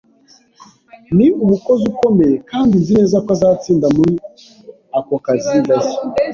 Ni umukozi ukomeye, kandi nzi neza ko azatsinda muri ako kazi gashya.